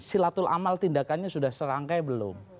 silatul amal tindakannya sudah serangkai belum